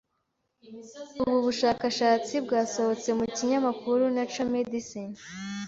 Ubu bushakashatsi bwasohotse mu kinyamakuru Nature Medicine